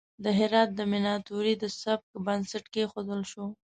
د هرات د میناتوری د سبک بنسټ کیښودل شو.